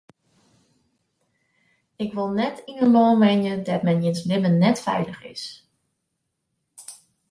Ik wol net yn in lân wenje dêr't men jins libben net feilich is.